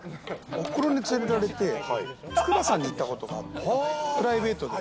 おふくろに連れられて、筑波山に行ったことがあって、プライベートで。